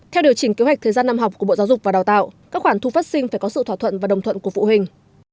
theo điều chỉnh kế hoạch thời gian năm học của bộ giáo dục và đào tạo các khoản thu phát sinh phải có sự thỏa thuận và đồng thuận của phụ huynh